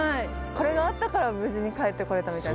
これがあったから無事に帰ってこれたみたいな。